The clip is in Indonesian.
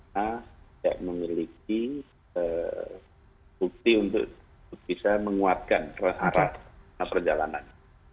karena tidak memiliki bukti untuk bisa menguatkan harap perjalanan